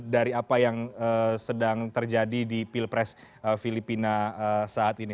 dari apa yang sedang terjadi di pilpres filipina saat ini